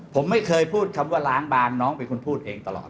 ผมไม่เคยพูดคำว่าล้างบางน้องเป็นคนพูดเองตลอด